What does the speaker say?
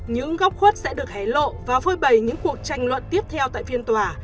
những góc khuất sẽ được hé lộ và phơi bày những cuộc tranh luận tiếp theo tại phiên tòa